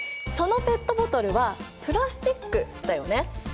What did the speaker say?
そのペットボトルはプラスチックだよね。